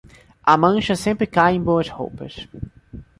A mancha sempre cai em boas roupas.